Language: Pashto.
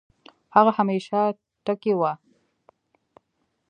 هغه همېشه ټکے وۀ